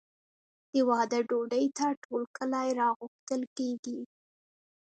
د واده ډوډۍ ته ټول کلی راغوښتل کیږي.